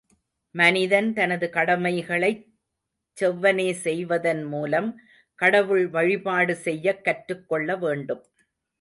மனிதன் தனது கடமைகளைச் செவ்வனே செய்வதன் மூலம் கடவுள் வழிபாடு செய்யக் கற்றுக் கொள்ளவேண்டும்.